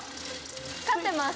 光ってます。